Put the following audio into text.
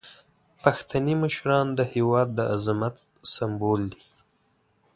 پښتني مشران د هیواد د عظمت سمبول دي.